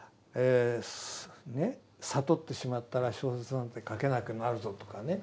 「悟ってしまったら小説なんて書けなくなるぞ」とかね